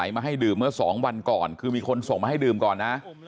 มาให้ดื่มเมื่อสองวันก่อนคือมีคนส่งมาให้ดื่มก่อนนะ